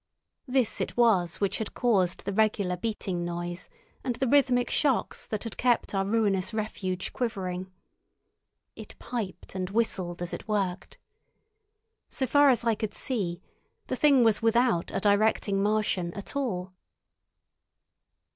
This it was which had caused the regular beating noise, and the rhythmic shocks that had kept our ruinous refuge quivering. It piped and whistled as it worked. So far as I could see, the thing was without a directing Martian at all.